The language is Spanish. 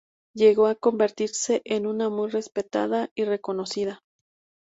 Llegó a convertirse en una muy respetada y reconocida.